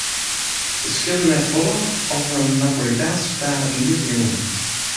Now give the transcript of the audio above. It skeelde net folle of in Napolitaansktalich liet hie wûn.